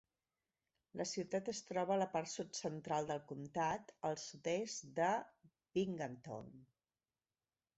La ciutat es troba a la part sud central del comtat, al sud-est de Binghamton.